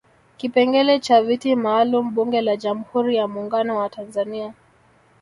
Kipengele cha viti maalum Bunge la Jamhuri ya Muungano wa Tanzania